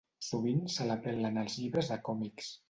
Sovint se l'apel·la en els llibres de còmics.